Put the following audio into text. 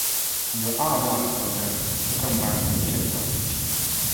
The R radical then recombines with the ketyl.